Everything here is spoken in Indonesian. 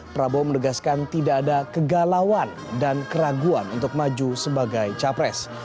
prabowo menegaskan tidak ada kegalauan dan keraguan untuk maju sebagai capres